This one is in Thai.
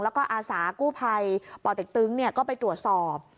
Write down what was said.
แล้วก็อาสากู้ภัยป่อเต็กตึงก็ไปตรวจสอบ